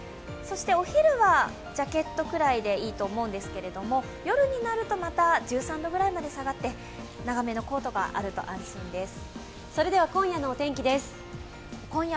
お昼はジャケットくらいでいいと思うんですけど、夜になるとまた１３度くらいまで下がって長めのコートがあると安心です。